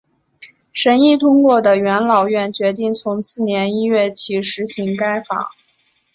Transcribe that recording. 审议通过的元老院决定从次年一月起施行该法。